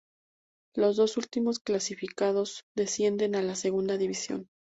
Los dos últimos clasificados descienden a la Segunda división.